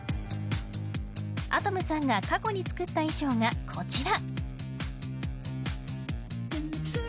空叶夢さんが過去に作った衣装がこちら。